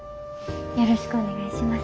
よろしくお願いします。